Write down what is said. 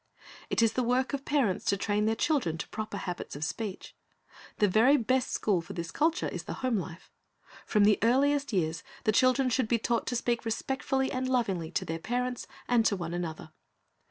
It is the work of parents to train their children to proper habits of speech. The very best school for this culture is the home life. From the earliest years the children should be taught to speak respectfully and lovingly to their parents and to one another.